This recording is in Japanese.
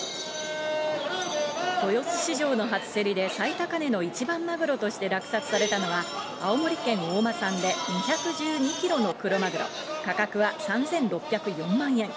豊洲市場の初競りで最高値の一番マグロとして落札されたのは青森県大間産で２１２キロのクロマグロ、価格は３６０４万円。